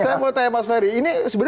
saya mau tanya mas ferry